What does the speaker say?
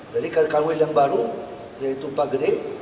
jadi kak kanwil yang baru yaitu pak gede